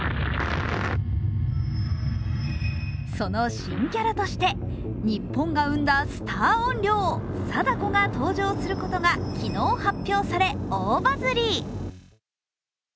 その新キャラとして、日本が生んだスター怨霊、貞子が登場することが昨日発表され、大バズり。